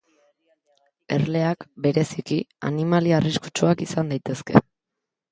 Erleak, bereziki, animalia arriskutsuak izan daitezke.